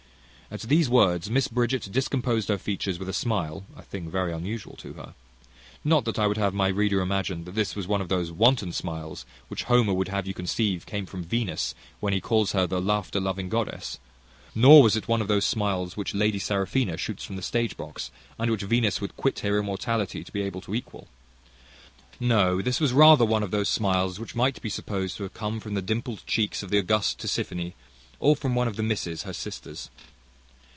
At these words Mrs Bridget discomposed her features with a smile (a thing very unusual to her). Not that I would have my reader imagine, that this was one of those wanton smiles which Homer would have you conceive came from Venus, when he calls her the laughter loving goddess; nor was it one of those smiles which Lady Seraphina shoots from the stage box, and which Venus would quit her immortality to be able to equal. No, this was rather one of those smiles which might be supposed to have come from the dimpled cheeks of the august Tisiphone, or from one of the misses, her sisters.